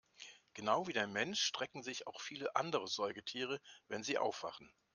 Genau wie der Mensch strecken sich auch viele andere Säugetiere, wenn sie aufwachen.